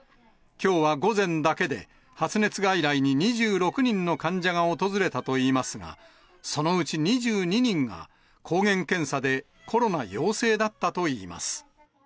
きょうは午前だけで発熱外来に２６人の患者が訪れたといいますが、そのうち２２人が抗原検査でコロナ陽性だったといいます。